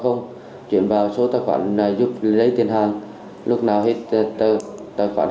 bình chọn mã số gia lô hai nghìn một welly com và yêu cầu các bị hại bình chọn qua link